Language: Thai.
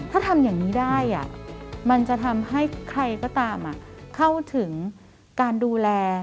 ถ้าทำอย่างนี้ได้มันจะทำให้ใครก็ตามเข้าถึงการดูแล